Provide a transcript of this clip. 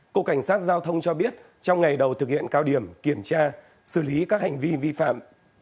cục cảnh sát giao thông cho biết trong ngày đầu thực hiện cao điểm kiểm tra xử lý các hành vi vi phạm